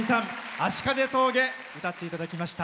「葦風峠」歌っていただきました。